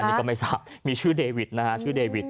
อันนี้ก็ไม่ทราบมีชื่อเดวิทนะฮะ